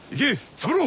三郎。